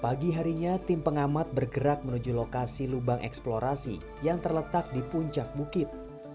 pagi harinya tim pengamat bergerak menuju lokasi lubang eksplorasi yang terletak di puncak bukit